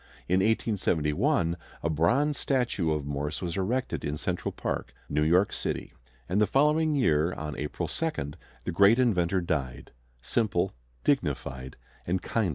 In 1871 a bronze statue of Morse was erected in Central Park, New York City, and the following year, on April 2, the great inventor died, simple, dignified, and kindly to the end.